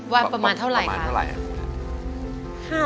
ว่าประมาณเท่าไรคะ